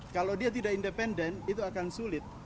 kalau dia tidak independen itu akan sulit